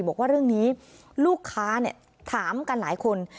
บอกว่าเรื่องนี้ลูกค้าถามกันหลายคน